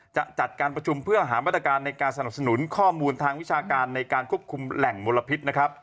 จัดการประชุมเพื่อหามาตรการในการสนับสนุนข้อมูลทางวิชาการในการควบคุมแหล่งมลพิษนะครับ